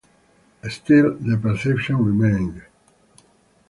Still, the perception remained.